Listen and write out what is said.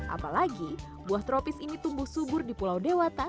apalagi buah tropis ini tumbuh subur di pulau dewata